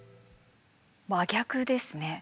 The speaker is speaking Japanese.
真逆ですね。